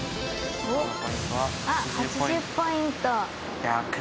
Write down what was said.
あっ８０ポイント。